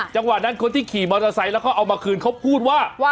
จังหวะนั้นคนที่ขี่มอเตอร์ไซค์แล้วเขาเอามาคืนเขาพูดว่า